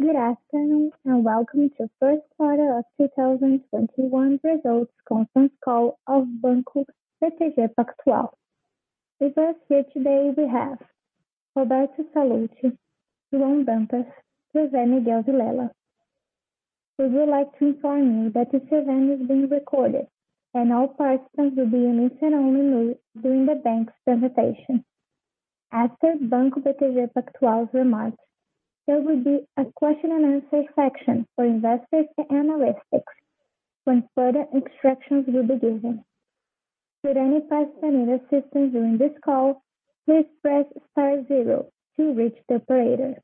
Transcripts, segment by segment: Good afternoon, and welcome to Q1 of 2021 Results Conference Call of Banco BTG Pactual. With us here today, we have Roberto Sallouti, João Marcello Dantas Leite, José Miguel Vilela Junior. We would like to inform you that this event is being recorded, and all participants will be on listen-only mode during the bank's presentation. After Banco BTG Pactual's remarks, there will be a question and answer section for investors and analysts when further instructions will be given. Should any parties need assistance during this call, please press star zero to reach the operator.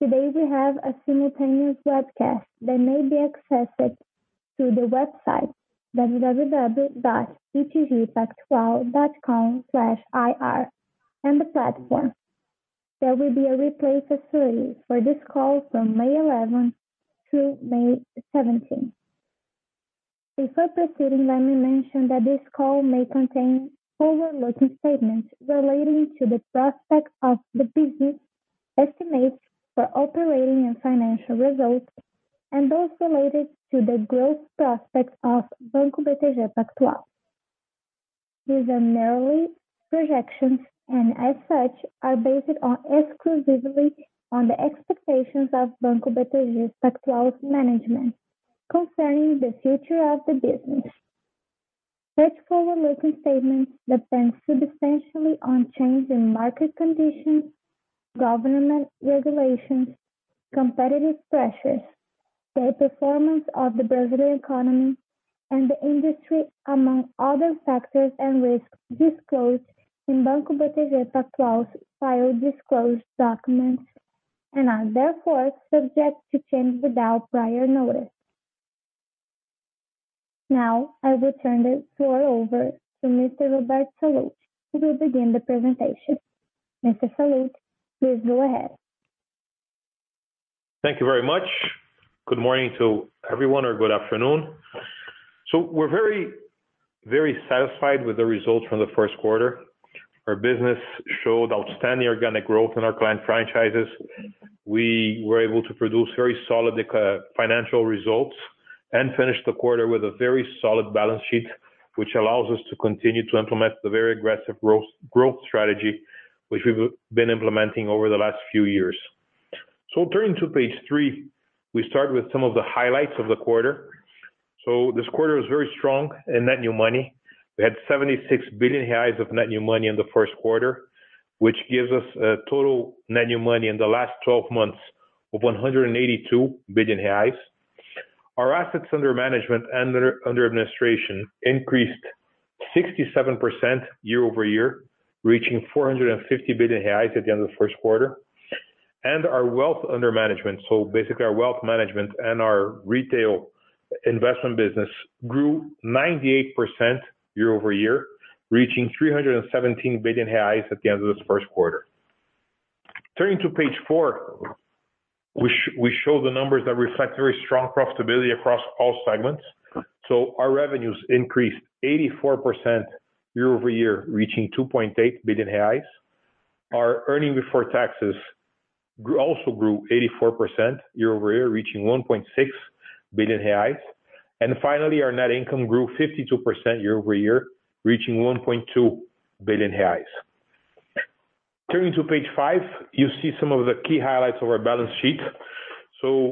Today we have a simultaneous webcast that may be accessed through the website www.btgpactual.com/ir, and the platform. There will be a replay facility for this call from May 11 through May 17. Before proceeding, let me mention that this call may contain forward-looking statements relating to the prospects of the business, estimates for operating and financial results, and those related to the growth prospects of Banco BTG Pactual. These are merely projections, and as such, are based on exclusively on the expectations of Banco BTG Pactual's management concerning the future of the business. Such forward-looking statements depend substantially on changes in market conditions, government regulations, competitive pressures, the performance of the Brazilian economy and the industry, among other factors and risks disclosed in Banco BTG Pactual's filed disclosed documents, and are therefore subject to change without prior notice. Now, I will turn the floor over to Mr. Roberto Sallouti, who will begin the presentation. Mr. Sallouti, please go ahead. Thank you very much. Good morning to everyone, or good afternoon. We're very, very satisfied with the results from the Q1. Our business showed outstanding organic growth in our client franchises. We were able to produce very solid financial results and finish the quarter with a very solid balance sheet, which allows us to continue to implement the very aggressive growth strategy which we've been implementing over the last few years. Turning to page three, we start with some of the highlights of the quarter. This quarter was very strong in net new money. We had 76 billion reais of net new money in the Q1, which gives us a total net new money in the last 12 months of 182 billion reais. Our assets under management and under administration increased 67% year-over-year, reaching 450 billion reais at the end of the Q1. Our wealth under management, so basically our wealth management and our retail investment business, grew 98% year-over-year, reaching 317 billion reais at the end of this Q1. Turning to page four, we show the numbers that reflect very strong profitability across all segments. Our revenues increased 84% year-over-year, reaching 2.8 billion reais. Our earnings before taxes also grew 84% year-over-year, reaching 1.6 billion reais. Finally, our net income grew 52% year-over-year, reaching 1.2 billion reais. Turning to page five, you see some of the key highlights of our balance sheet.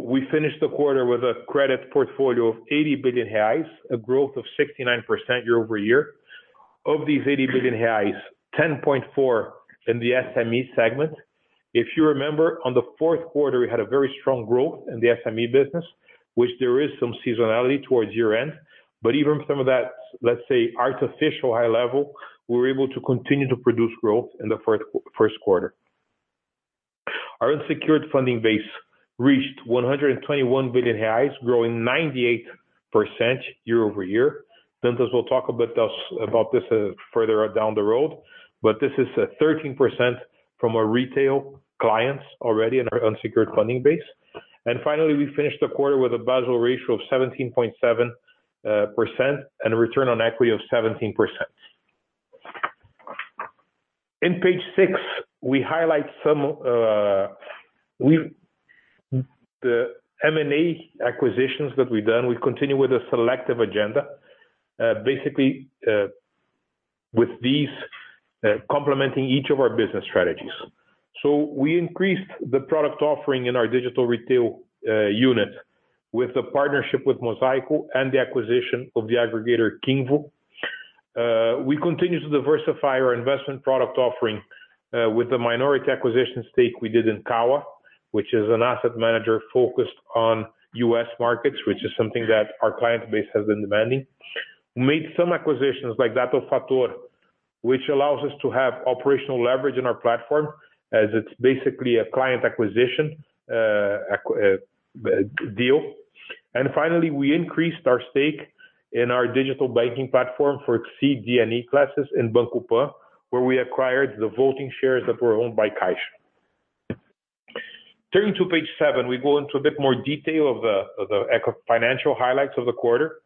We finished the quarter with a credit portfolio of 80 billion reais, a growth of 69% year-over-year. Of these 80 billion reais, 10.4 in the SME segment. If you remember, on the Q4, we had a very strong growth in the SME business, which there is some seasonality towards year-end. But even some of that, let's say, artificial high level, we were able to continue to produce growth in the Q1. Our unsecured funding base reached 121 billion reais, growing 98% year-over-year. Dantas will talk about this further down the road, but this is 13% from our retail clients already in our unsecured funding base. Finally, we finished the quarter with a Basel ratio of 17.7% and a return on equity of 17%. In page six, we highlight The M&A acquisitions that we've done, we've continued with a selective agenda. Basically, with these complementing each of our business strategies. We increased the product offering in our digital retail unit with the partnership with Mosaico and the acquisition of the aggregator, Kinvo. We continue to diversify our investment product offering, with the minority acquisition stake we did in Kawa, which is an asset manager focused on U.S. markets, which is something that our client base has been demanding. We made some acquisitions like that of Fator, which allows us to have operational leverage in our platform as it's basically a client acquisition deal. And finally, we increased our stake in our digital banking platform for C, D, and E classes in Banco Pan, where we acquired the voting shares that were owned by Caixa. Turning to page seven, we go into a bit more detail of the financial highlights of the quarter.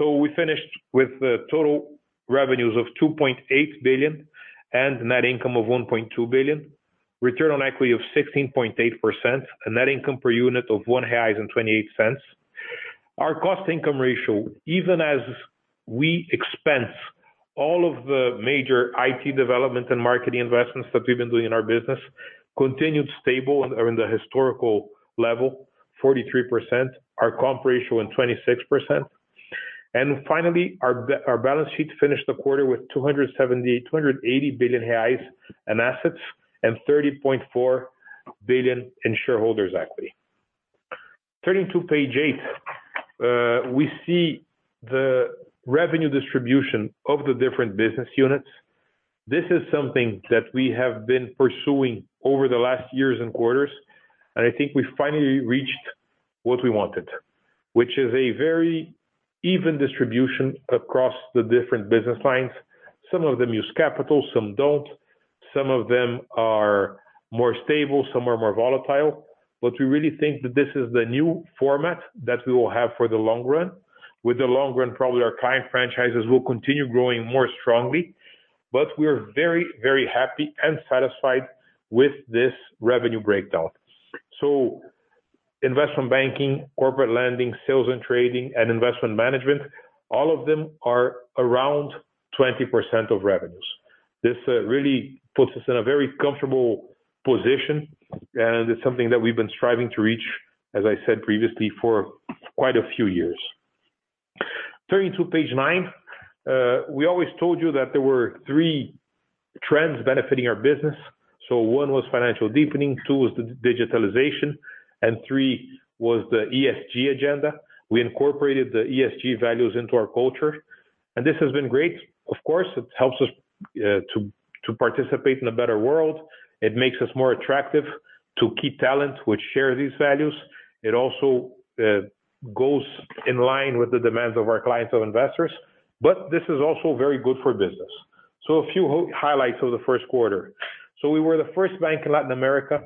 We finished with the total revenues of 2.8 billion and net income of 1.2 billion, return on equity of 16.8%, a net income per unit of 1.28 reais. Our cost income ratio, even as we expense all of the major IT development and marketing investments that we've been doing in our business, continued stable in the historical level, 43%, our comp ratio in 26%. Finally, our balance sheet finished the quarter with 280 billion reais in assets and 30.4 billion in shareholders' equity. Turning to page eight, we see the revenue distribution of the different business units. This is something that we have been pursuing over the last years and quarters, I think we finally reached what we wanted, which is a very even distribution across the different business lines. Some of them use capital, some don't. Some of them are more stable, some are more volatile. We really think that this is the new format that we will have for the long run. With the long run, probably our client franchises will continue growing more strongly. We are very, very happy and satisfied with this revenue breakdown. Investment banking, corporate lending, sales and trading, and investment management, all of them are around 20% of revenues. This really puts us in a very comfortable position, and it's something that we've been striving to reach, as I said previously, for quite a few years. Turning to page nine, we always told you that there were three trends benefiting our business. One was financial deepening, two was the digitalization, and three was the ESG agenda. We incorporated the ESG values into our culture, and this has been great. Of course, it helps us to participate in a better world. It makes us more attractive to keep talent, which share these values. It also goes in line with the demands of our clients or investors. This is also very good for business. A few highlights of the Q1. We were the first bank in Latin America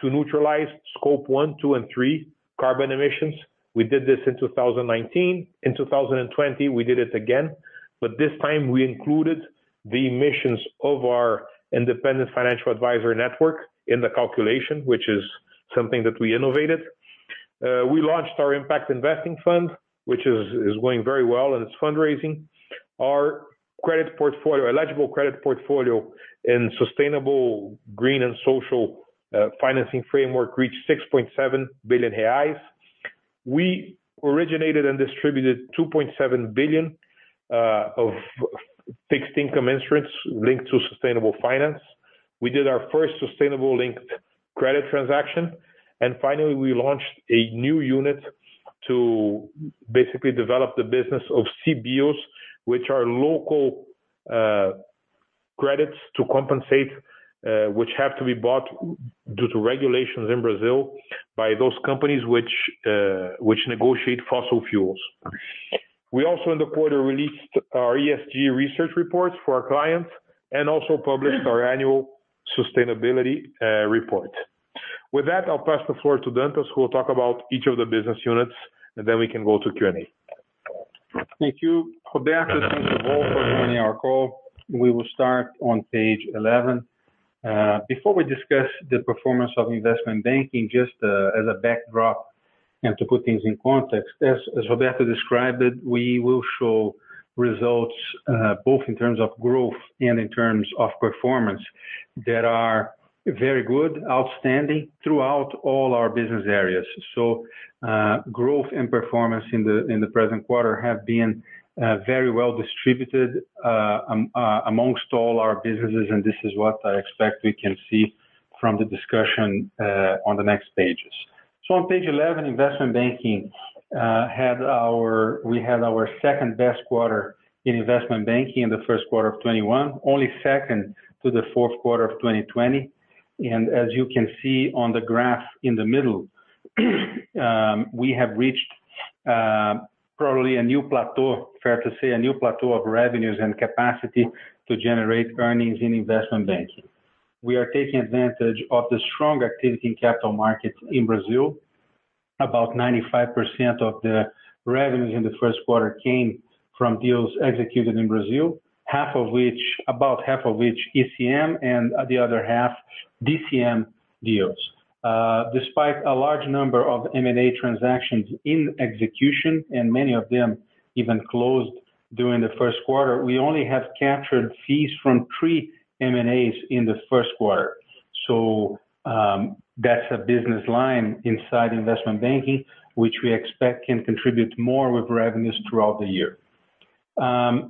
to neutralize scope 1, 2, and 3 carbon emissions. We did this in 2019. In 2020, we did it again, but this time we included the emissions of our Independent Financial Adviser network in the calculation, which is something that we innovated. We launched our impact investing fund, which is going very well, and it's fundraising. Our credit portfolio, eligible credit portfolio in sustainable green and social financing framework reached 6.7 billion reais. We originated and distributed 2.7 billion of fixed income instruments linked to sustainable finance. We did our first sustainable linked credit transaction, and finally, we launched a new unit to basically develop the business of CBIOs, which are local credits to compensate, which have to be bought due to regulations in Brazil by those companies which negotiate fossil fuels. We also, in the quarter, released our ESG research reports for our clients and also published our annual sustainability report. With that, I'll pass the floor to Dantas, who will talk about each of the business units, and then we can go to Q&A. Thank you, Roberto, thanks to all for joining our call. We will start on page 11. Before we discuss the performance of investment banking, just as a backdrop and to put things in context, as Roberto described it, we will show results, both in terms of growth and in terms of performance that are very good, outstanding throughout all our business areas. Growth and performance in the present quarter have been very well distributed amongst all our businesses, and this is what I expect we can see from the discussion on the next pages. On page 11, investment banking. We had our second-best quarter in investment banking in the Q1 of 2021, only second to the Q4 of 2020. As you can see on the graph in the middle, we have reached probably a new plateau, fair to say, a new plateau of revenues and capacity to generate earnings in investment banking. We are taking advantage of the strong activity in capital markets in Brazil. About 95% of the revenues in the Q1 came from deals executed in Brazil, about half of which ECM and the other half DCM deals. Despite a large number of M&A transactions in execution, and many of them even closed during the Q1, we only have captured fees from three M&As in the Q1. That's a business line inside investment banking, which we expect can contribute more with revenues throughout the year.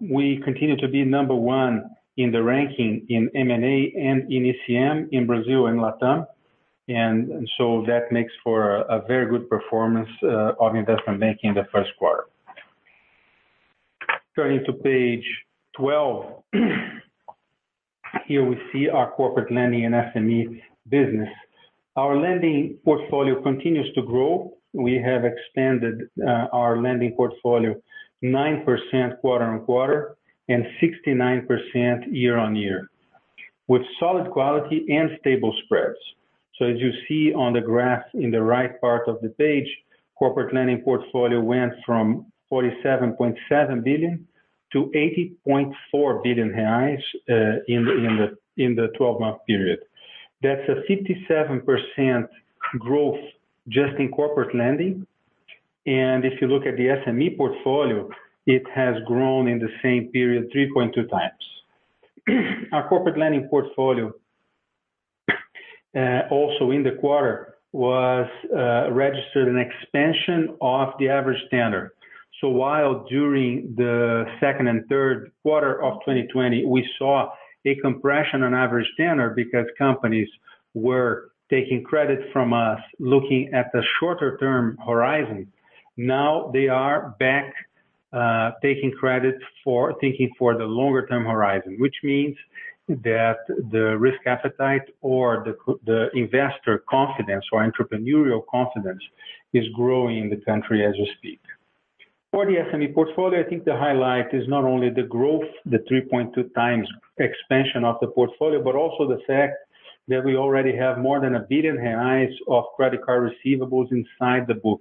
We continue to be number one in the ranking in M&A and in ECM in Brazil and Latin. That makes for a very good performance of investment banking in the Q1. Turning to page 12. Here we see our corporate lending and SME business. Our lending portfolio continues to grow. We have expanded our lending portfolio 9% quarter-on-quarter and 69% year-on-year. With solid quality and stable spreads. As you see on the graph in the right part of the page, corporate lending portfolio went from 47.7 billion to 80.4 billion reais in the 12-month period. That's a 57% growth just in corporate lending. If you look at the SME portfolio, it has grown in the same period 3.2x. Our corporate lending portfolio, also in the quarter, registered an expansion of the average standard. While during the Q2 and Q3 of 2020, we saw a compression on average tenor because companies were taking credit from us, looking at the shorter-term horizon. Now they are back taking credit for thinking for the longer-term horizon, which means that the risk appetite or the investor confidence or entrepreneurial confidence is growing in the country as we speak. For the SME portfolio, I think the highlight is not only the growth, the 3.2x expansion of the portfolio, but also the fact that we already have more than 1 billion reais of credit card receivables inside the book.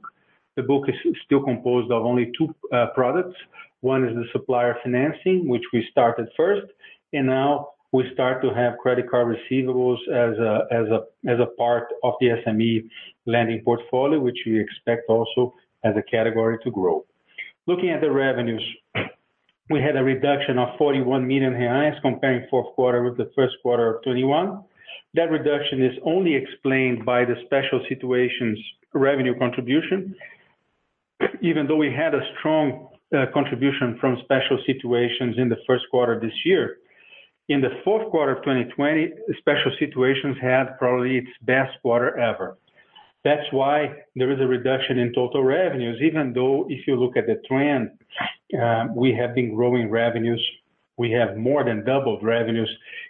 The book is still composed of only two products. One is the supplier financing, which we started first, and now we start to have credit card receivables as a part of the SME lending portfolio, which we expect also as a category to grow. Looking at the revenues, we had a reduction of 41 million comparing Q4 with the Q1 of 2021. That reduction is only explained by the special situations revenue contribution. Even though we had a strong contribution from special situations in the Q1 this year, in the Q4 of 2020, special situations had probably its best quarter ever. That's why there is a reduction in total revenues, even though if you look at the trend, we have been growing revenues. We have more than doubled revenues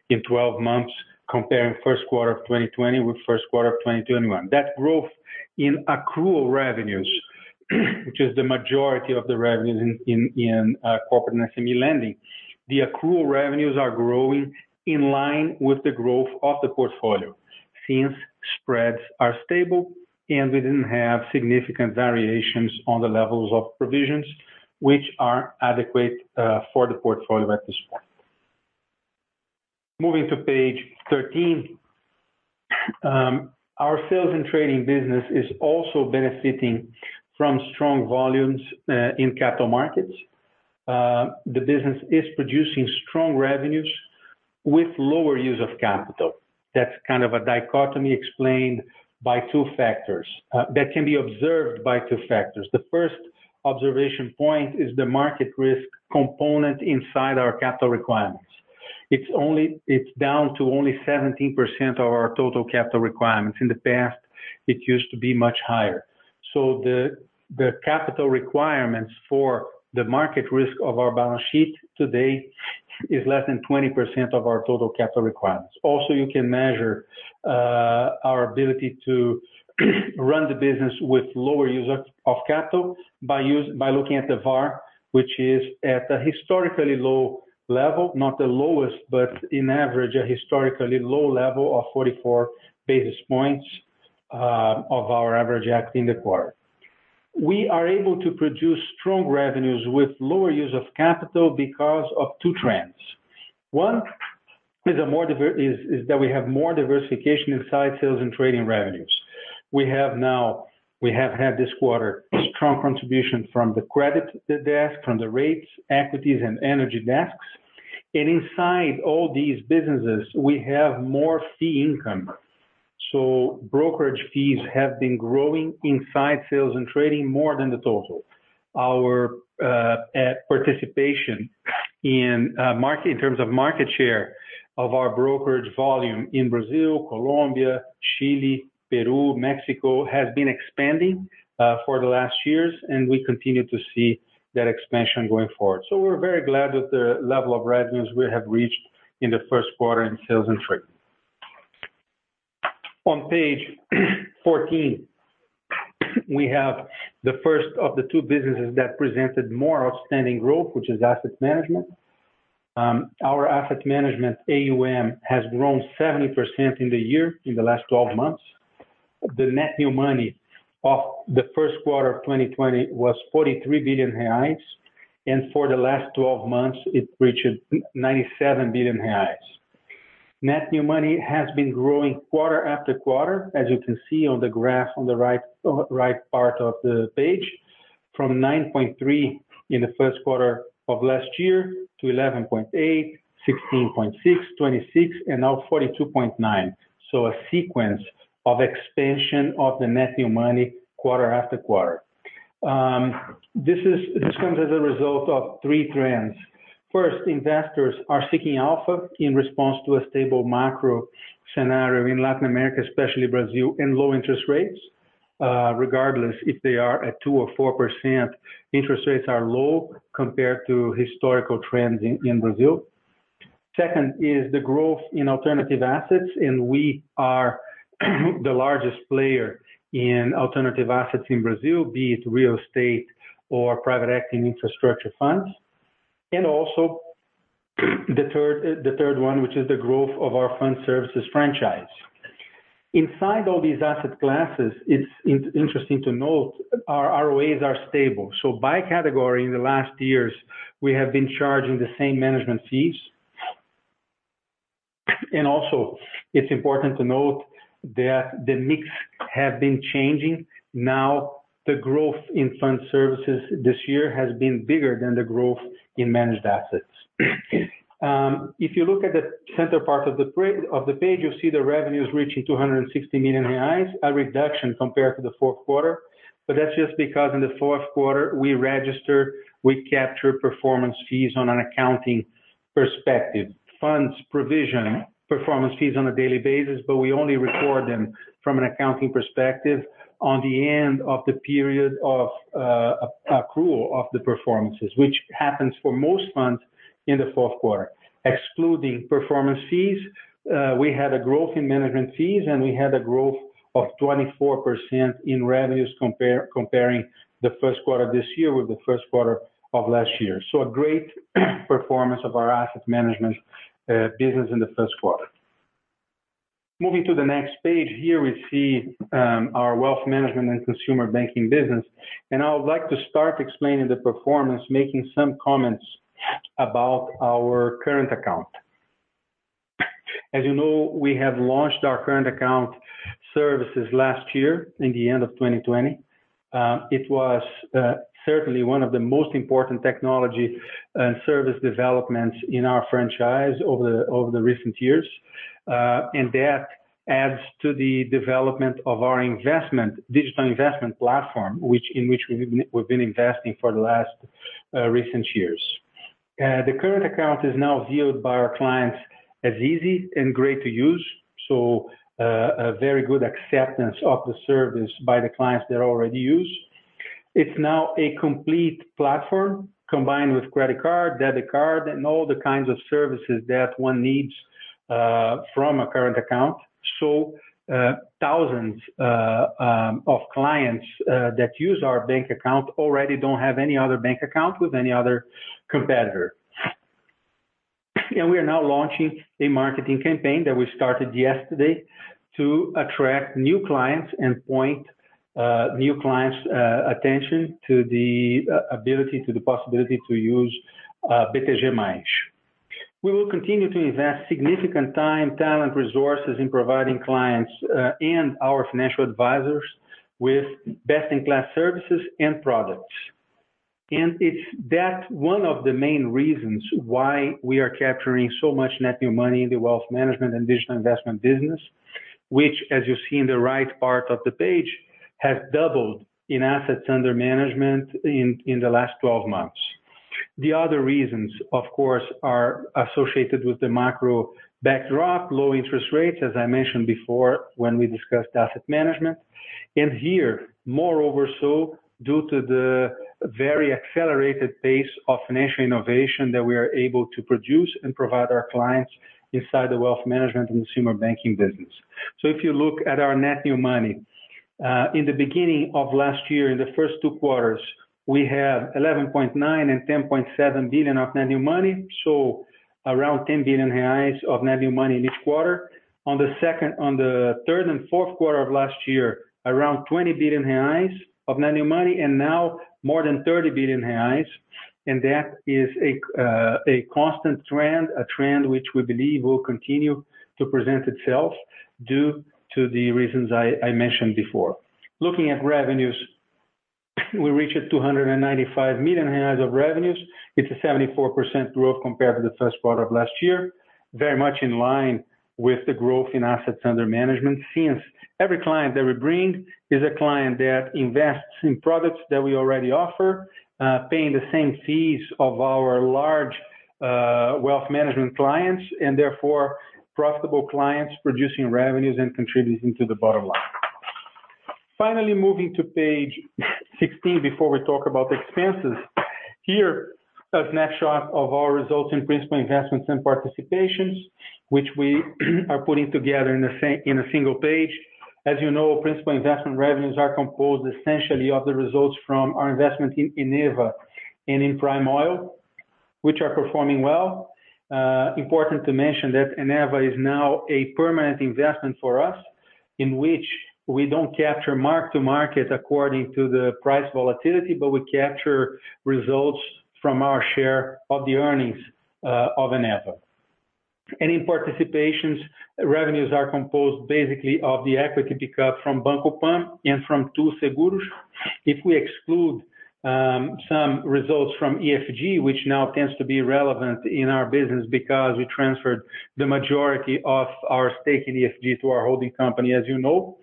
in 12 months comparing Q1 of 2020 with Q1 of 2021. That growth in accrual revenues, which is the majority of the revenues in corporate and SME lending. The accrual revenues are growing in line with the growth of the portfolio since spreads are stable and we didn't have significant variations on the levels of provisions, which are adequate for the portfolio at this point. Moving to page 13. Our sales and trading business is also benefiting from strong volumes in capital markets. The business is producing strong revenues with lower use of capital. That can be observed by two factors. The first observation point is the market risk component inside our capital requirements. It's down to only 17% of our total capital requirements. In the past, it used to be much higher. The capital requirements for the market risk of our balance sheet today is less than 20% of our total capital requirements. You can measure our ability to run the business with lower use of capital by looking at the VaR, which is at a historically low level, not the lowest, but in average, a historically low level of 44 basis points of our average ACT in the quarter. We are able to produce strong revenues with lower use of capital because of two trends. One is that we have more diversification inside sales and trading revenues. We have had this quarter strong contribution from the credit desk, from the rates, equities, and energy desks. Inside all these businesses, we have more fee income. Brokerage fees have been growing inside sales and trading more than the total. Our participation in terms of market share of our brokerage volume in Brazil, Colombia, Chile, Peru, Mexico, has been expanding for the last years. We continue to see that expansion going forward. We're very glad with the level of revenues we have reached in the Q1 in sales and trade. On page 14, we have the first of the two businesses that presented more outstanding growth, which is asset management. Our asset management AUM has grown 70% in the year, in the last 12 months. The net new money of the Q1 of 2020 was 43 billion reais. For the last 12 months, it reached 97 billion reais. Net new money has been growing quarter after quarter, as you can see on the graph on the right part of the page, from 9.3 in the Q1 of last year to 11.8, 16.6, 26, and now 42.9. A sequence of expansion of the net new money quarter after quarter. This comes as a result of three trends. First, investors are seeking alpha in response to a stable macro scenario in Latin America, especially Brazil, and low interest rates. Regardless if they are at 2% or 4%, interest rates are low compared to historical trends in Brazil. Second is the growth in alternative assets, and we are the largest player in alternative assets in Brazil, be it real estate or private equity infrastructure funds. Also, the third one, which is the growth of our fund services franchise. Inside all these asset classes, it's interesting to note our ROAs are stable. By category, in the last years, we have been charging the same management fees. Also, it's important to note that the mix has been changing. The growth in fund services this year has been bigger than the growth in managed assets. If you look at the center part of the page, you'll see the revenues reaching 260 million reais, a reduction compared to the Q4. That's just because in the Q4, we registered, we captured performance fees on an accounting perspective. Funds provision performance fees on a daily basis, but we only record them from an accounting perspective on the end of the period of accrual of the performances, which happens for most funds in the Q4. Excluding performance fees, we had a growth in management fees, and we had a growth of 24% in revenues comparing the Q1 of this year with the Q1 of last year. A great performance of our asset management business in the Q1. Moving to the next page, here we see our wealth management and consumer banking business. I would like to start explaining the performance, making some comments about our current account. As you know, we have launched our current account services last year in the end of 2020. It was certainly one of the most important technology and service developments in our franchise over the recent years. That adds to the development of our digital investment platform, in which we've been investing for the last recent years. The current account is now viewed by our clients as easy and great to use, so a very good acceptance of the service by the clients that already use. It's now a complete platform combined with credit card, debit card, and all the kinds of services that one needs from a current account. Thousands of clients that use our bank account already don't have any other bank account with any other competitor. We are now launching a marketing campaign that we started yesterday to attract new clients and point new clients' attention to the possibility to use BTG+. We will continue to invest significant time, talent, resources in providing clients and our financial advisors with best-in-class services and products. That's one of the main reasons why we are capturing so much net new money in the wealth management and digital investment business, which, as you see in the right part of the page, has doubled in assets under management in the last 12 months. The other reasons, of course, are associated with the macro backdrop, low interest rates, as I mentioned before when we discussed asset management. Here, moreover so, due to the very accelerated pace of financial innovation that we are able to produce and provide our clients inside the wealth management and consumer banking business. If you look at our net new money, in the beginning of last year, in the first two quarters, we had 11.9 billion and 10.7 billion of net new money, so around 10 billion reais of net new money in each quarter. On the third and Q4 of last year, around 20 billion reais of net new money, and now more than 30 billion reais. That is a constant trend, a trend which we believe will continue to present itself due to the reasons I mentioned before. Looking at revenues, we reached 295 million of revenues. It's a 74% growth compared to the Q1 of last year. Very much in line with the growth in assets under management, since every client that we bring is a client that invests in products that we already offer, paying the same fees of our large wealth management clients, and therefore profitable clients producing revenues and contributing to the bottom line. Finally, moving to page 16 before we talk about expenses. Here, a snapshot of our results in principal investments and participations, which we are putting together in a single page. As you know, principal investment revenues are composed essentially of the results from our investment in Eneva and in Prime Oil, which are performing well. Important to mention that Eneva is now a permanent investment for us, in which we don't capture mark to market according to the price volatility, but we capture results from our share of the earnings of Eneva. In participations, revenues are composed basically of the equity pickup from Banco Pan and from Too Seguros. If we exclude some results from EFG, which now tends to be relevant in our business because we transferred the majority of our stake in EFG to our holding company, as you know.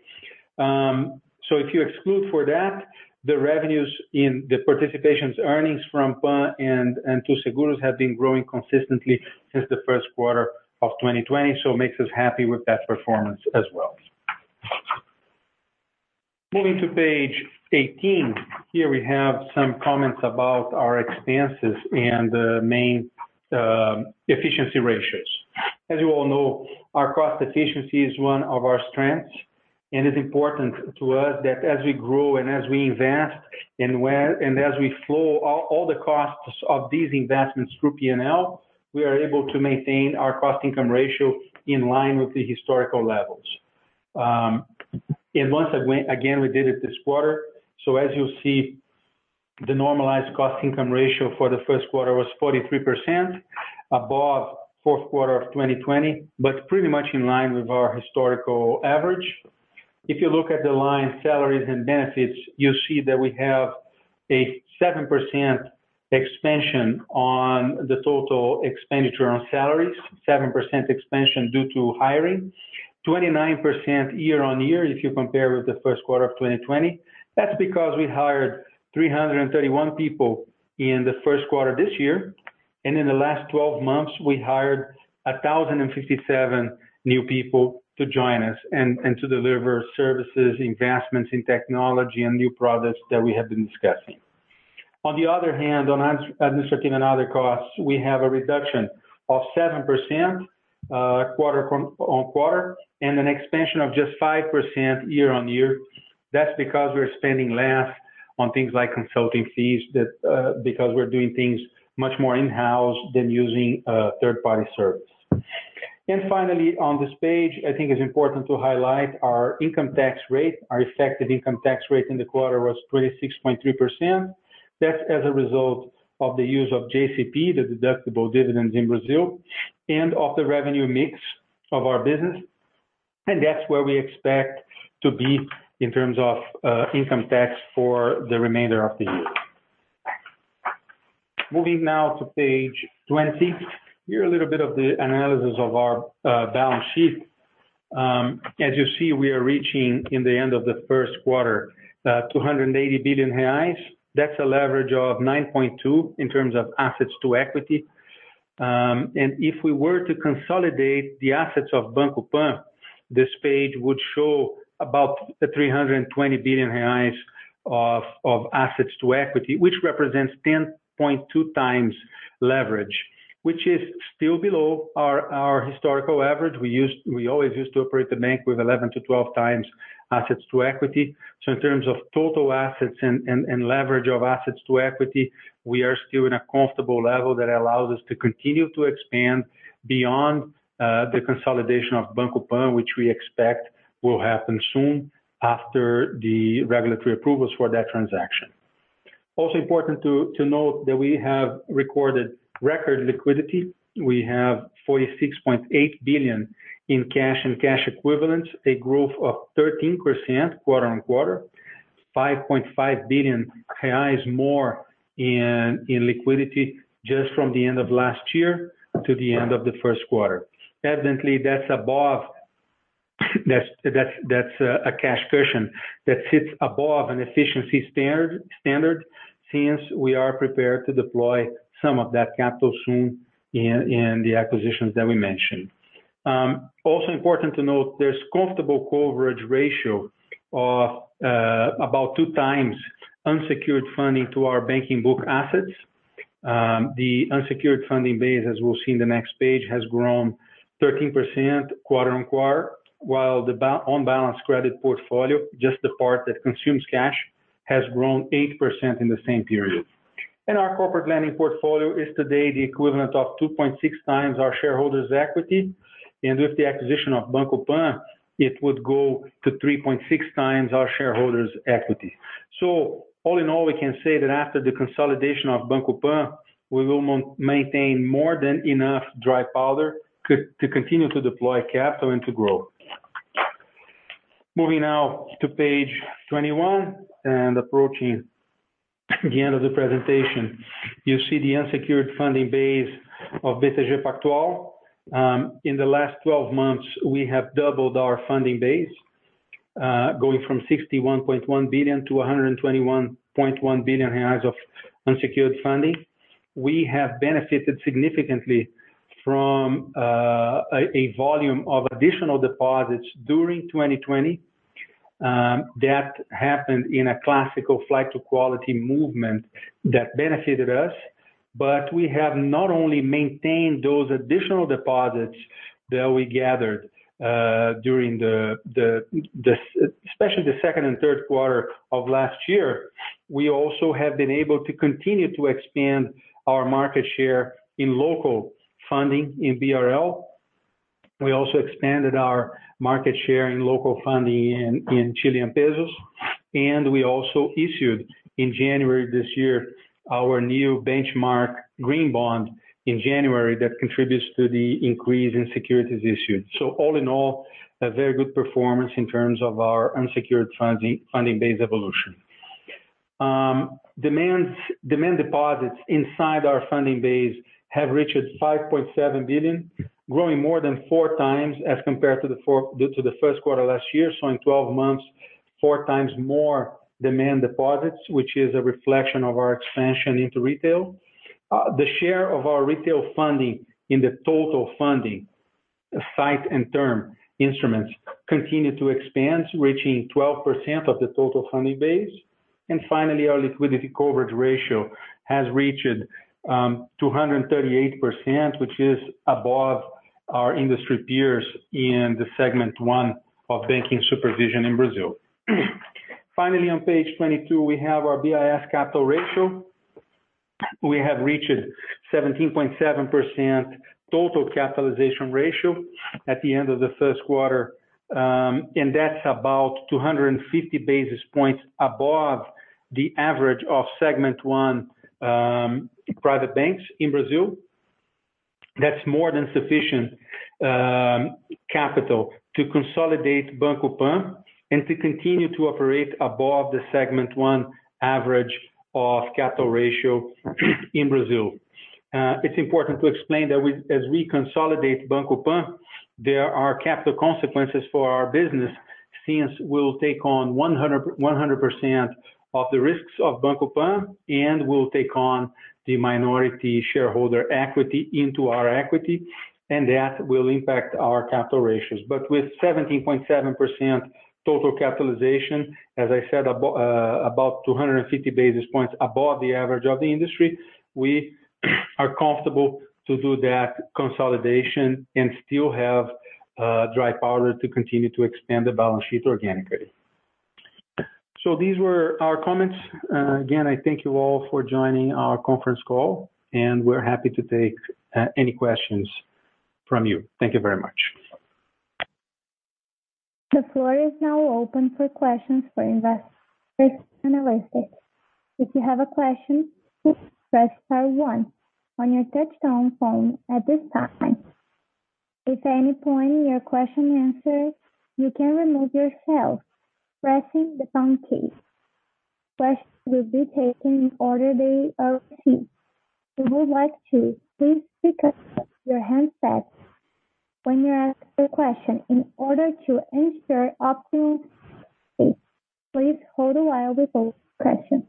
If you exclude for that, the revenues in the participations earnings from Pan and Too Seguros have been growing consistently since the Q1 of 2020, so it makes us happy with that performance as well. Moving to page 18, here we have some comments about our expenses and the main efficiency ratios. As you all know, our cost efficiency is one of our strengths, and it's important to us that as we grow and as we invest, and as we flow all the costs of these investments through P&L, we are able to maintain our cost-income ratio in line with the historical levels. Once again, we did it this quarter. As you'll see, the normalized cost-income ratio for the Q1 was 43%, above Q4 of 2020, but pretty much in line with our historical average. If you look at the line "salaries and benefits," you'll see that we have a 7% expansion on the total expenditure on salaries, 7% expansion due to hiring. 29% year-over-year if you compare with the Q1 of 2020. That's because we hired 331 people in the Q1 of this year, and in the last 12 months, we hired 1,057 new people to join us and to deliver services, investments in technology, and new products that we have been discussing. On the other hand, on administrative and other costs, we have a reduction of 7% quarter-over-quarter and an expansion of just 5% year-over-year. That's because we're spending less on things like consulting fees because we're doing things much more in-house than using a third-party service. Finally, on this page, I think it's important to highlight our income tax rate. Our effective income tax rate in the quarter was 26.3%. That's as a result of the use of JCP, the deductible dividends in Brazil, and of the revenue mix of our business. That's where we expect to be in terms of income tax for the remainder of the year. Moving now to page 20. Here, a little bit of the analysis of our balance sheet. As you see, we are reaching, in the end of the Q1, 280 billion reais. That's a leverage of 9.2 in terms of assets to equity. If we were to consolidate the assets of Banco Pan, this page would show about 320 billion reais of assets to equity, which represents 10.2x leverage, which is still below our historical average. We always used to operate the bank with 11x to 12x assets to equity. In terms of total assets and leverage of assets to equity, we are still in a comfortable level that allows us to continue to expand beyond the consolidation of Banco Pan, which we expect will happen soon after the regulatory approvals for that transaction. Also important to note that we have recorded record liquidity. We have 46.8 billion in cash and cash equivalents, a growth of 13% quarter-over-quarter, 5.5 billion reais more in liquidity just from the end of last year to the end of the Q1. Evidently, that's a cash cushion that sits above an efficiency standard since we are prepared to deploy some of that capital soon in the acquisitions that we mentioned. Also important to note, there's comfortable coverage ratio of about 2x unsecured funding to our banking book assets. The unsecured funding base, as we'll see in the next page, has grown 13% quarter-on-quarter, while the on-balance credit portfolio, just the part that consumes cash, has grown 8% in the same period. Our corporate lending portfolio is today the equivalent of 2.6x our shareholders' equity, and with the acquisition of Banco Pan, it would go to 3.6x our shareholders' equity. All in all, we can say that after the consolidation of Banco Pan, we will maintain more than enough dry powder to continue to deploy capital and to grow. Moving now to page 21 and approaching the end of the presentation. You see the unsecured funding base of Banco BTG Pactual. In the last 12 months, we have doubled our funding base, going from 61.1 billion to 121.1 billion of unsecured funding. We have benefited significantly from a volume of additional deposits during 2020. That happened in a classical flight to quality movement that benefited us. We have not only maintained those additional deposits that we gathered during especially the Q2 and Q3 of last year, we also have been able to continue to expand our market share in local funding in Brazilian Real. We also expanded our market share in local funding in Chilean pesos, and we also issued in January this year, our new benchmark green bond in January that contributes to the increase in securities issued. All in all, a very good performance in terms of our unsecured funding base evolution. Demand deposits inside our funding base have reached 5.7 billion, growing more than 4x as compared to the Q1 last year. In 12 months, 4x more demand deposits, which is a reflection of our expansion into retail. The share of our retail funding in the total funding. The sight and term instruments continue to expand, reaching 12% of the total funding base. Finally, our liquidity coverage ratio has reached 238%, which is above our industry peers in the segment 1 of banking supervision in Brazil. On page 22, we have our BIS capital ratio. We have reached 17.7% total capitalization ratio at the end of Q1. That's about 250 basis points above the average of segment 1 private banks in Brazil. That's more than sufficient capital to consolidate Banco Pan and to continue to operate above the segment 1 average of capital ratio in Brazil. It's important to explain that as we consolidate Banco Pan, there are capital consequences for our business since we'll take on 100% of the risks of Banco Pan, and we'll take on the minority shareholder equity into our equity, and that will impact our capital ratios. With 17.7% total capitalization, as I said, about 250 basis points above the average of the industry, we are comfortable to do that consolidation and still have dry powder to continue to expand the balance sheet organically. These were our comments. Again, I thank you all for joining our conference call, and we're happy to take any questions from you. Thank you very much. The floor is now open for questions for investors and analysts. If you have a question, please press star one on your touch-tone phone at this time. If any point in your question answered, you can remove yourself pressing the pound key. Questions will be taken in the order they are received. If you would like to, please pick up your handsets when you ask your question. In order to ensure optimal sound quality, please hold the line before questioning.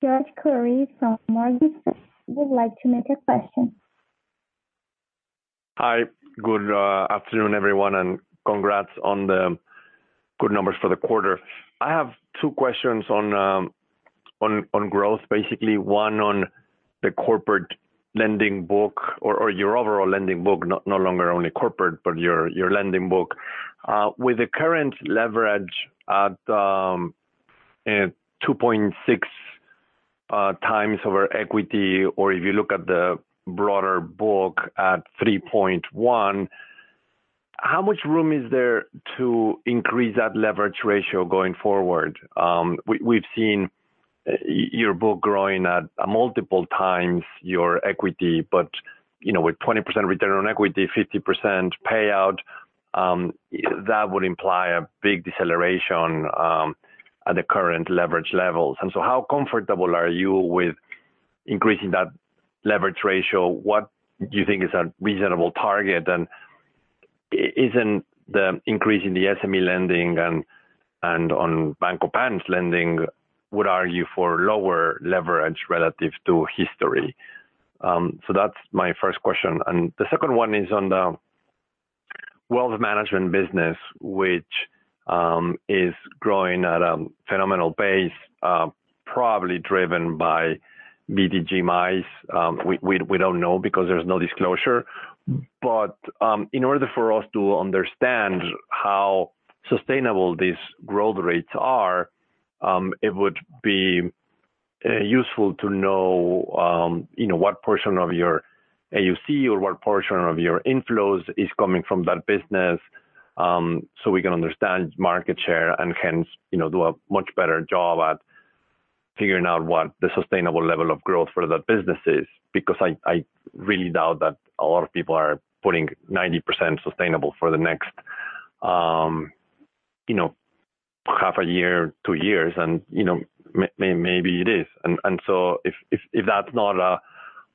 Jorge Kuri from Morgan Stanley would like to make a question. Hi. Good afternoon, everyone, and congrats on the good numbers for the quarter. I have two questions on growth. Basically, one on the corporate lending book or your overall lending book, no longer only corporate, but your lending book. With the current leverage at 2.6x over equity, or if you look at the broader book at 3.1x, how much room is there to increase that leverage ratio going forward? We've seen your book growing at multiple times your equity, but with 20% return on equity, 50% payout, that would imply a big deceleration at the current leverage levels. How comfortable are you with increasing that leverage ratio? What do you think is a reasonable target? Isn't the increase in the SME lending and on Banco Pan's lending would argue for lower leverage relative to history? That's my first question. The second one is on the wealth management business, which is growing at a phenomenal pace probably driven by BTG Pactual. We don't know because there's no disclosure. In order for us to understand how sustainable these growth rates are, it would be useful to know what portion of your AUC or what portion of your inflows is coming from that business, so we can understand market share and hence, do a much better job at figuring out what the sustainable level of growth for that business is. I really doubt that a lot of people are putting 90% sustainable for the next half a year, two years, and maybe it is. If that's not a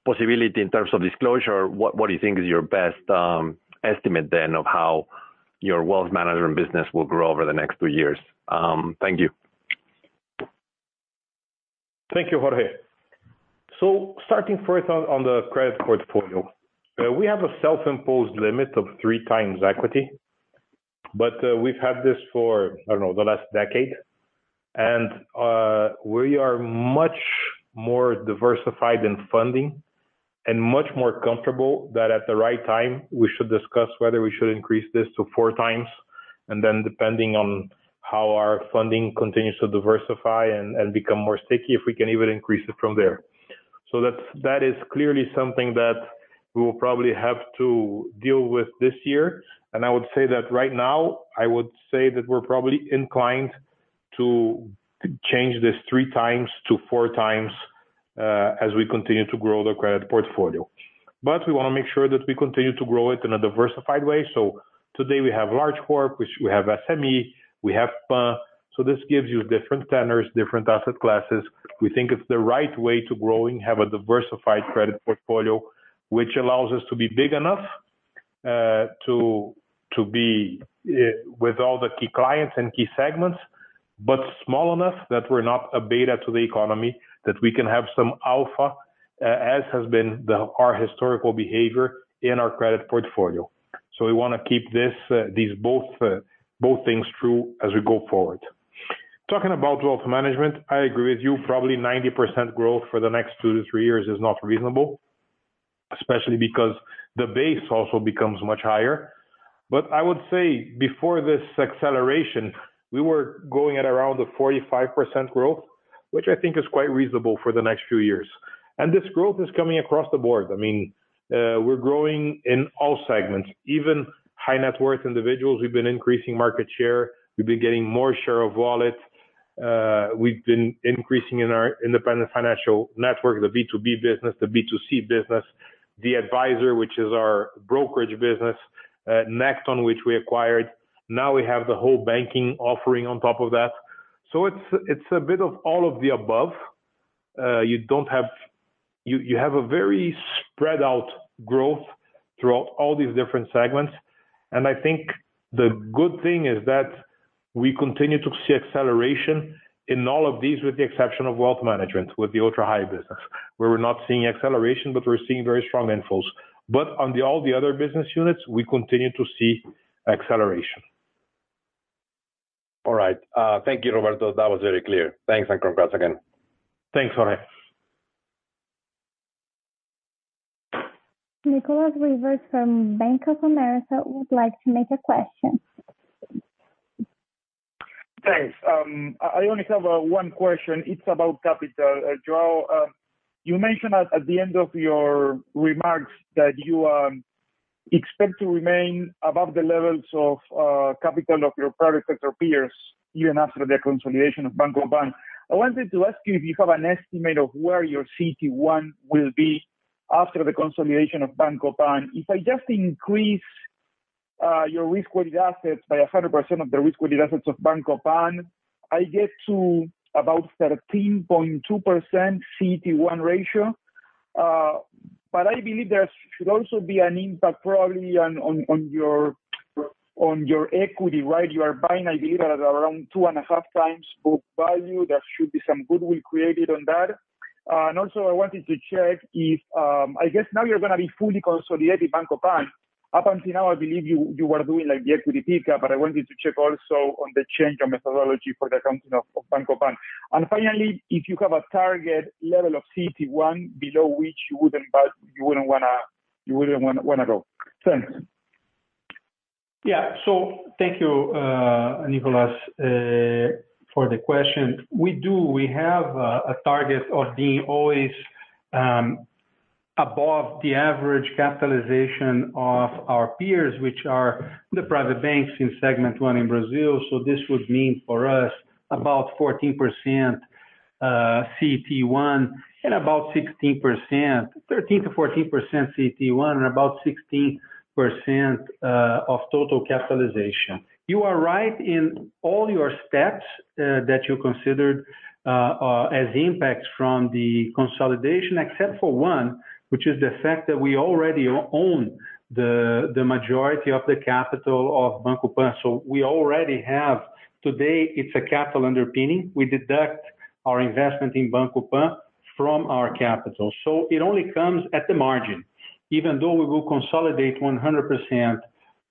possibility in terms of disclosure, what do you think is your best estimate then of how your wealth management business will grow over the next two years? Thank you. Thank you, Jorge. Starting first on the credit portfolio. We have a self-imposed limit of 3x equity. We've had this for, I don't know, the last decade. We are much more diversified in funding and much more comfortable that at the right time, we should discuss whether we should increase this to 4x, depending on how our funding continues to diversify and become more sticky, if we can even increase it from there. That is clearly something that we will probably have to deal with this year. I would say that right now, I would say that we're probably inclined to change this 3x to 4x, as we continue to grow the credit portfolio. We want to make sure that we continue to grow it in a diversified way. Today we have large corp, which we have SME, we have Pan. This gives you different tenors, different asset classes. We think it's the right way to growing, have a diversified credit portfolio, which allows us to be big enough To be with all the key clients and key segments, but small enough that we're not a beta to the economy, that we can have some alpha, as has been our historical behavior in our credit portfolio. We want to keep both things true as we go forward. Talking about wealth management, I agree with you, probably 90% growth for the next two to three years is not reasonable, especially because the base also becomes much higher. I would say before this acceleration, we were going at around the 45% growth, which I think is quite reasonable for the next few years. This growth is coming across the board. We're growing in all segments, even high net worth individuals, we've been increasing market share. We've been getting more share of wallet. We've been increasing in our independent financial network, the B2B business, the B2C business, the advisor, which is our brokerage business, Necton on which we acquired. We have the whole banking offering on top of that. It's a bit of all of the above. You have a very spread out growth throughout all these different segments, and I think the good thing is that we continue to see acceleration in all of these, with the exception of wealth management, with the ultra high business. Where we're not seeing acceleration, but we're seeing very strong inflows. On all the other business units, we continue to see acceleration. All right. Thank you, Roberto. That was very clear. Thanks and congrats again. Thanks, Jorge. Nicolas Riva from Bank of America would like to make a question. Thanks. I only have one question. It's about capital. João, you mentioned at the end of your remarks that you expect to remain above the levels of capital of your private sector peers even after the consolidation of Banco Pan. I wanted to ask you if you have an estimate of where your CET1 will be after the consolidation of Banco Pan. If I just increase your risk-weighted assets by 100% of the risk-weighted assets of Banco Pan, I get to about 13.2% CET1 ratio. I believe there should also be an impact probably on your equity, right? You are buying, I believe, at around 2.5x Book value. There should be some goodwill created on that. Also I wanted to check if, I guess now you're going to be fully consolidating Banco Pan. Up until now, I believe you were doing like the equity pickup, but I wanted to check also on the change of methodology for the accounting of Banco Pan. Finally, if you have a target level of CET1 below which you wouldn't want to go. Thanks. Thank you, Nicolas, for the question. We have a target of being always above the average capitalization of our peers, which are the private banks in segment one in Brazil. This would mean for us about 14% CET1 and about 16%, 13%-14% CET1, and about 16% of total capitalization. You are right in all your steps that you considered as impacts from the consolidation except for one, which is the fact that we already own the majority of the capital of Banco Pan. We already have, today it's a capital underpinning. We deduct our investment in Banco Pan from our capital. It only comes at the margin. Even though we will consolidate 100%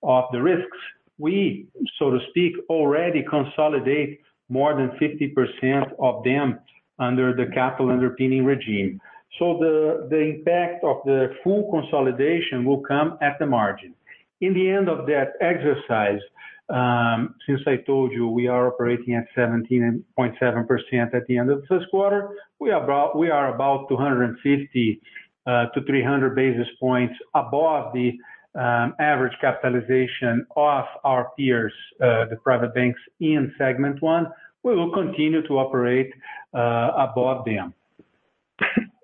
of the risks, we, so to speak, already consolidate more than 50% of them under the capital underpinning regime. The impact of the full consolidation will come at the margin. In the end of that exercise, since I told you we are operating at 17.7% at the end of Q1, we are about 250-300 basis points above the average capitalization of our peers, the private banks in segment 1. We will continue to operate above them.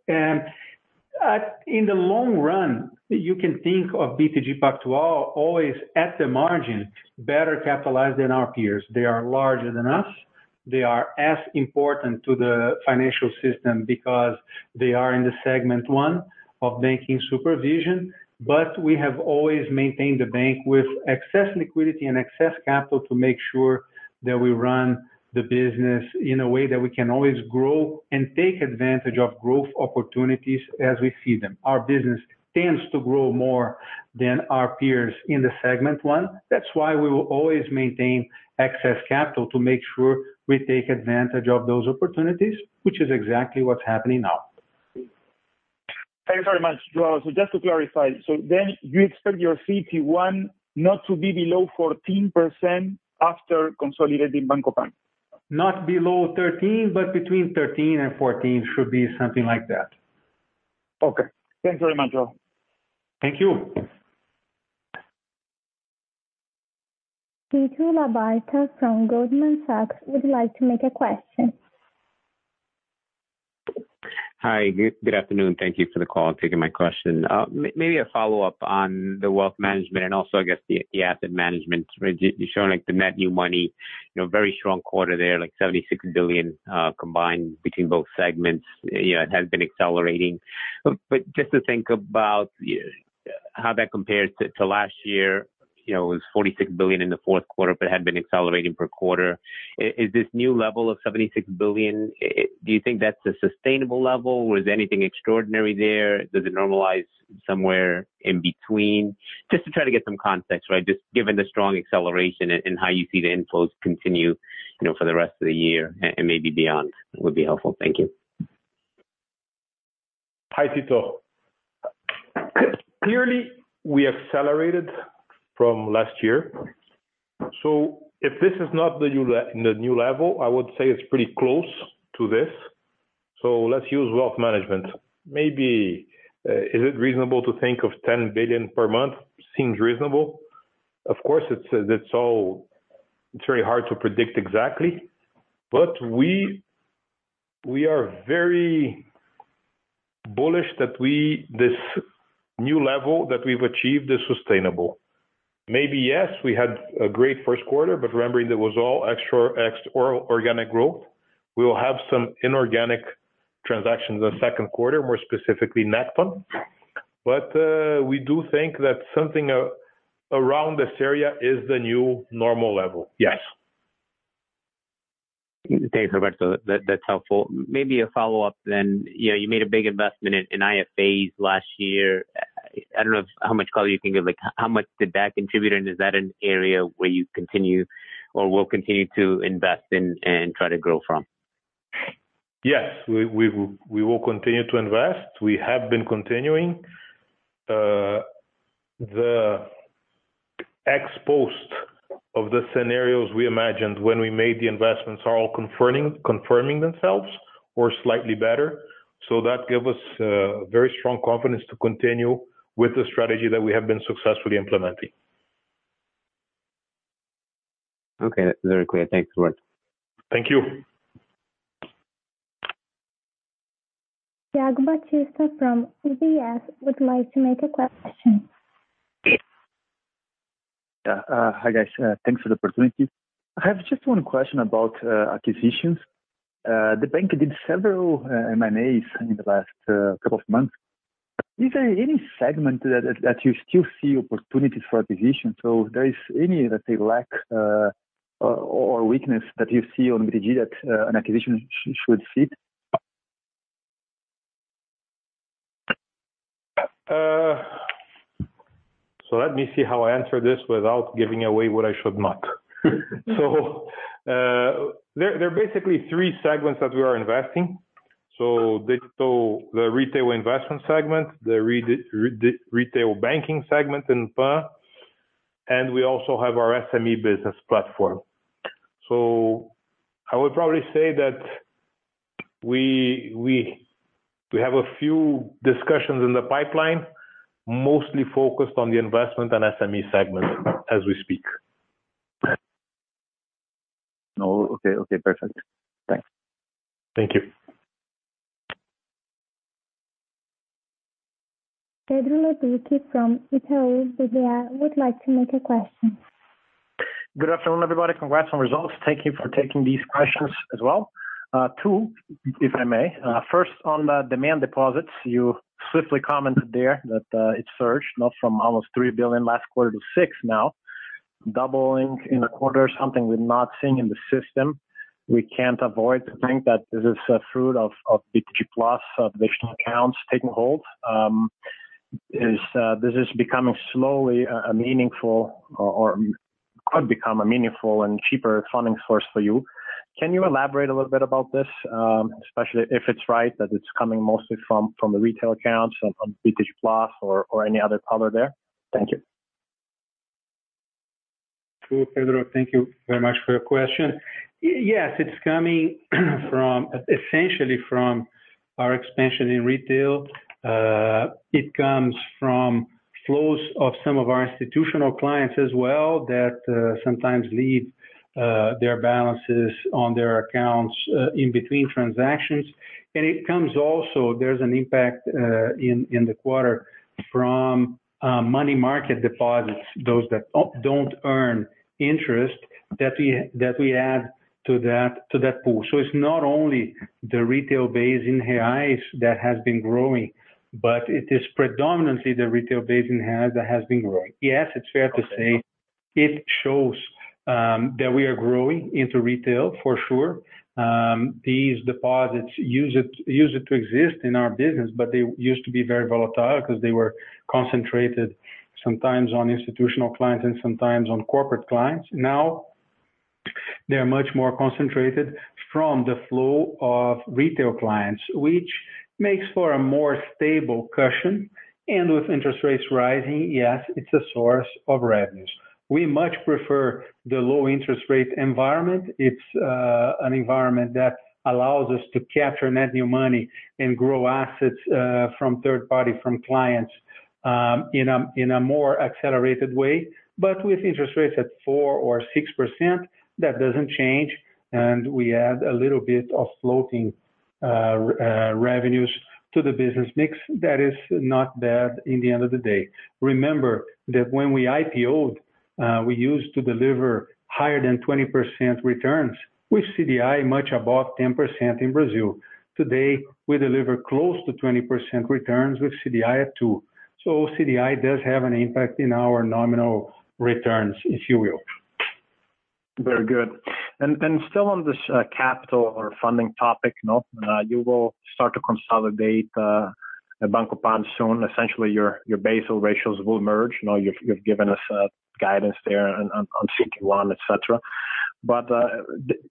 In the long run, you can think of Banco BTG Pactual always at the margin, better capitalized than our peers. They are larger than us. They are as important to the financial system because they are in the segment 1 of banking supervision. We have always maintained the bank with excess liquidity and excess capital to make sure that we run the business in a way that we can always grow and take advantage of growth opportunities as we see them. Our business tends to grow more than our peers in the segment 1. That's why we will always maintain excess capital to make sure we take advantage of those opportunities, which is exactly what's happening now. Thanks very much, João. Just to clarify, you expect your CET1 not to be below 14% after consolidating Banco Pan? Not below 13%, but between 13% and 14%, should be something like that. Okay. Thanks very much, João. Thank you. Tito Labarta from Goldman Sachs would like to make a question. Hi, good afternoon. Thank you for the call and taking my question. Maybe a follow-up on the wealth management and also, I guess, the asset management. You're showing like the net new money, very strong quarter there, like 76 billion, combined between both segments. It has been accelerating. Just to think about how that compares to last year. It was 46 billion in Q4, had been accelerating per quarter. Is this new level of 76 billion, do you think that's a sustainable level? Was anything extraordinary there? Does it normalize somewhere in between? Just to try to get some context. Just given the strong acceleration and how you see the inflows continue for the rest of the year and maybe beyond would be helpful. Thank you. Hi, Tito. Clearly, we accelerated from last year. If this is not the new level, I would say it's pretty close to this. Let's use wealth management. Maybe, is it reasonable to think of 10 billion per month? Seems reasonable. Of course, it's very hard to predict exactly, but we are very bullish that this new level that we've achieved is sustainable. Maybe, yes, we had a great Q1, remembering it was all extra organic growth. We will have some inorganic transactions in Q2, more specifically Necton. We do think that something around this area is the new normal level. Yes. Thanks, Roberto. That's helpful. Maybe a follow-up. You made a big investment in IFAs last year. I don't know how much color you can give. How much did that contribute, and is that an area where you continue or will continue to invest in and try to grow from? Yes, we will continue to invest. We have been continuing. The ex post of the scenarios we imagined when we made the investments are all confirming themselves, or slightly better. That gave us very strong confidence to continue with the strategy that we have been successfully implementing. Okay, very clear. Thanks, Roberto. Thank you. Thiago Batista from UBS would like to make a question. Yeah. Hi, guys. Thanks for the opportunity. I have just one question about acquisitions. The bank did several M&As in the last couple of months. Is there any segment that you still see opportunity for acquisition? If there is any that they lack or weakness that you see on the GD that an acquisition should fit? Let me see how I answer this without giving away what I should not. There are basically three segments that we are investing. The retail investment segment, the retail banking segment in Pan, and we also have our SME business platform. I would probably say that we have a few discussions in the pipeline, mostly focused on the investment and SME segment as we speak. Oh, okay. Perfect. Thanks. Thank you. Pedro Leduc from Itaú BBA would like to make a question. Good afternoon, everybody. Congrats on results. Thank you for taking these questions as well. Two, if I may. On the demand deposits, you swiftly commented there that it surged from almost 3 billion last quarter to 6 billion now, doubling in a quarter, something we are not seeing in the system. We can't avoid to think that this is a fruit of BTG+, additional accounts taking hold. This is becoming slowly a meaningful, or could become a meaningful and cheaper funding source for you. Can you elaborate a little bit about this, especially if it is right that it is coming mostly from the retail accounts, from BTG+ or any other color there? Thank you. Sure, Pedro. Thank you very much for your question. Yes, it's coming essentially from our expansion in retail. It comes from flows of some of our institutional clients as well, that sometimes leave their balances on their accounts in between transactions. It comes also, there's an impact in the quarter from money market deposits, those that don't earn interest, that we add to that pool. It's not only the retail base in BTG+ that has been growing, but it is predominantly the retail base in BTG+ that has been growing. Yes, it's fair to say it shows that we are growing into retail, for sure. These deposits used to exist in our business, but they used to be very volatile because they were concentrated sometimes on institutional clients and sometimes on corporate clients. They're much more concentrated from the flow of retail clients, which makes for a more stable cushion. With interest rates rising, yes, it's a source of revenues. We much prefer the low interest rate environment. It's an environment that allows us to capture net new money and grow assets from third party, from clients, in a more accelerated way. With interest rates at 4% or 6%, that doesn't change, and we add a little bit of floating revenues to the business mix. That is not bad in the end of the day. Remember that when we IPO'd, we used to deliver higher than 20% returns with CDI much above 10% in Brazil. Today, we deliver close to 20% returns with CDI at two. CDI does have an impact in our nominal returns, if you will. Very good. Still on this capital or funding topic now, you will start to consolidate Banco Pan soon. Essentially, your Basel ratios will merge. You've given us a guidance there on CET1, et cetera.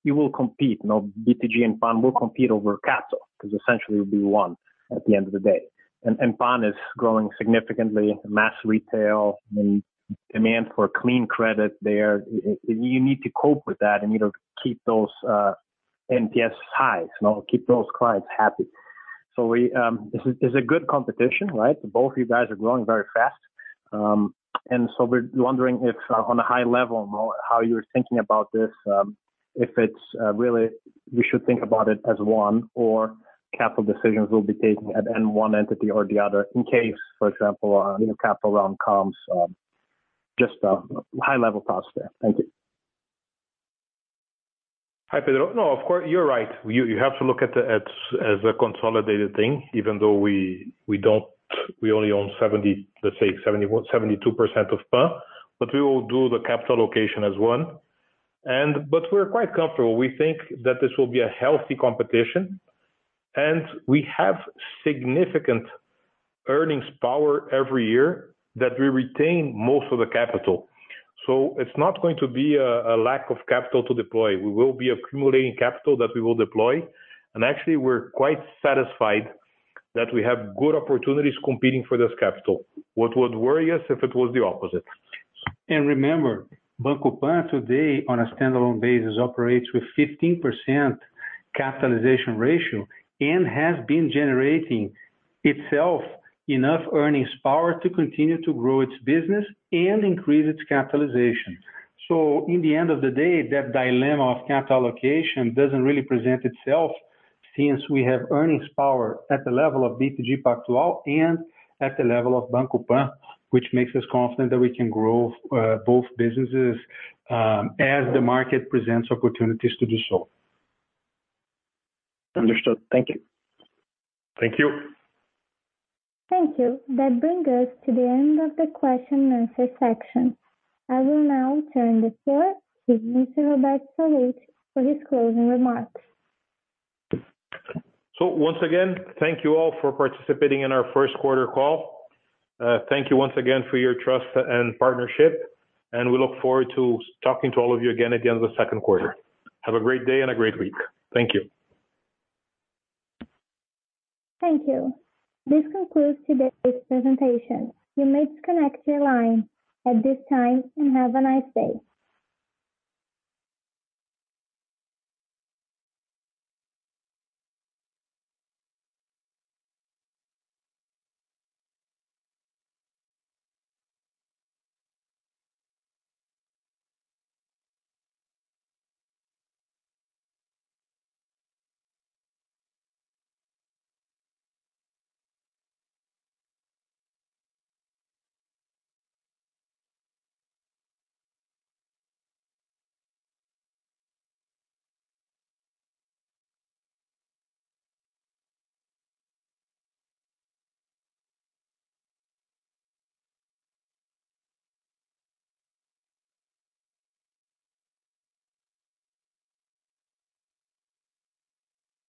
You will compete. BTG and Pan will compete over capital, because essentially it'll be one at the end of the day. Pan is growing significantly, mass retail and demand for clean credit there. You need to cope with that and keep those NPS highs, keep those clients happy. There's a good competition, right? Both you guys are growing very fast. We're wondering if, on a high level, how you're thinking about this, if it's really we should think about it as one or capital decisions will be taken at one entity or the other in case, for example, a new capital round comes. Just high level thoughts there. Thank you. Hi, Pedro. Of course, you're right. You have to look at it as a consolidated thing, even though we only own 70%, let's say 72% of Pan, we will do the capital allocation as one. We're quite comfortable. We think that this will be a healthy competition. We have significant earnings power every year that we retain most of the capital. It's not going to be a lack of capital to deploy. We will be accumulating capital that we will deploy. Actually, we're quite satisfied that we have good opportunities competing for this capital. What would worry us if it was the opposite. Remember, Banco Pan today, on a standalone basis, operates with 15% capitalization ratio and has been generating itself enough earnings power to continue to grow its business and increase its capitalization. In the end of the day, that dilemma of capital allocation doesn't really present itself since we have earnings power at the level of BTG Pactual and at the level of Banco Pan, which makes us confident that we can grow both businesses as the market presents opportunities to do so. Understood. Thank you. Thank you. Thank you. That brings us to the end of the question and answer section. I will now turn the floor to Mr. Roberto Sallouti for his closing remarks. Once again, thank you all for participating in our Q1 Call. Thank you once again for your trust and partnership, and we look forward to talking to all of you again at the end of Q2. Have a great day and a great week. Thank you. Thank you. This concludes today's presentation. You may disconnect your line at this time and have a nice day.